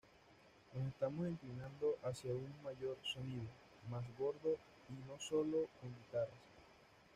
Nos estamos inclinando hacia un mayor sonido, más gordo, y no sólo con guitarras.